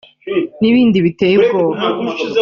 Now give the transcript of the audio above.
n’ibindi biteye ubwoba